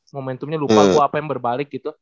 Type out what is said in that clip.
momentumnya lupa gue apa yang berbalik gitu